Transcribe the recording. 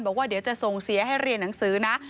บอกว่าเดี๋ยวจะส่งเสียให้เรียนหนังสือนะ